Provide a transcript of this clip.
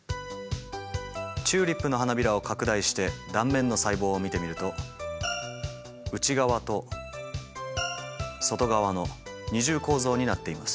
チューリップの花びらを拡大して断面の細胞を見てみると内側と外側の二重構造になっています。